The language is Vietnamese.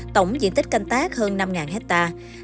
tổng diện tích canh tác hơn năm hectare